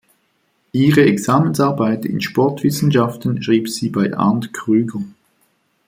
Ihre Examensarbeit in Sportwissenschaften schrieb sie bei Arnd Krüger.